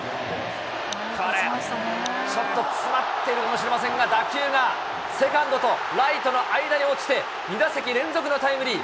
ちょっと詰まってるかもしれませんが、打球がセカンドとライトの間に落ちて、２打席連続のタイムリー。